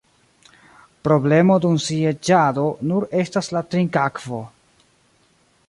Problemo dum sieĝado nur estas la trinkakvo.